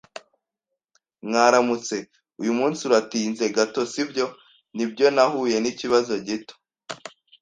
"Mwaramutse. Uyu munsi uratinze gato sibyo?" "Nibyo, nahuye n'ikibazo gito."